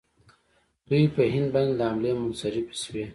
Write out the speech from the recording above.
دوی په هند باندې له حملې منصرفې شوې.